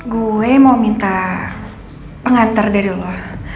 gue mau minta pengantar dari allah